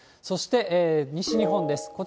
そして、西日本です。